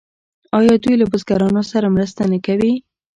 آیا دوی له بزګرانو سره مرسته نه کوي؟